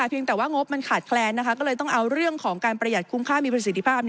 เพียงแต่ว่างบมันขาดแคลนก็เลยต้องเอาเรื่องของการประหยัดคุ้มค่ามีประสิทธิภาพ